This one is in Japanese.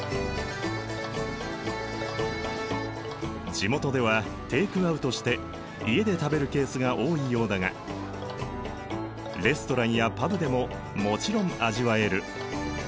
地元ではテイクアウトして家で食べるケースが多いようだがレストランやパブでももちろん味わえる。